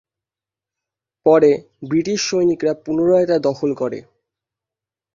পরে বৃটিশ সৈনিকরা পুনরায় তা দখল করে।